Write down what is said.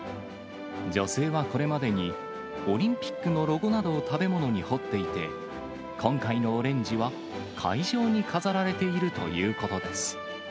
女性はこれまでにオリンピックのロゴなどを食べ物に彫っていて、今回のオレンジは、会場に飾られているということです。